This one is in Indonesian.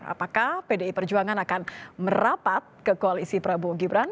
apakah pdi perjuangan akan merapat ke koalisi prabowo gibran